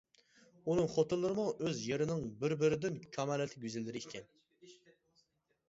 ئۇنىڭ خوتۇنلىرىمۇ ئۆز يېرىنىڭ بىر-بىرىدىن كامالەتلىك گۈزەللىرى ئىكەن.